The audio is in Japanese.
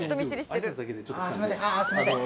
ああすいません。